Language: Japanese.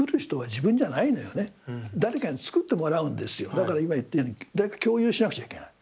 だから今言ったように誰か共有しなくちゃいけない。